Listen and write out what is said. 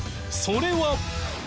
それは